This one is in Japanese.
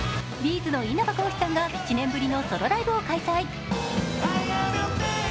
’ｚの稲葉浩志さんが７年ぶりのソロライブを開催。